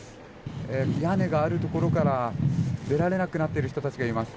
屋根があるところから出られなくなっている人たちがいます。